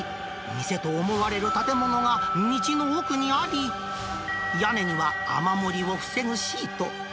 店と思われる建物が、道の奥にあり、屋根には雨漏りを防ぐシート。